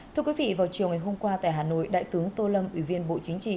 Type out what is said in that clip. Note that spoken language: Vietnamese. thưa quý vị vào chiều ngày hôm qua tại hà nội đại tướng tô lâm ủy viên bộ chính trị